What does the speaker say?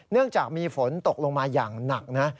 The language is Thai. เนื่องจากมีฝนตกลงมาอย่างหนักนะ